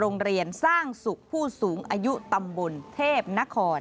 โรงเรียนสร้างสุขผู้สูงอายุตำบลเทพนคร